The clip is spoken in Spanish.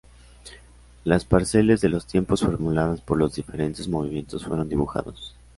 Las parcelas de los tiempos formuladas por los diferentes movimientos fueron dibujados.